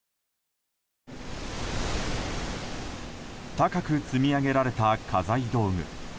高く積み上げられた家財道具。